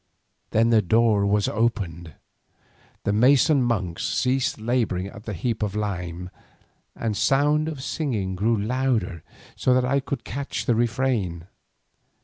Then the door was opened, the mason monks ceased labouring at the heap of lime, and the sound of singing grew louder so that I could catch the refrain.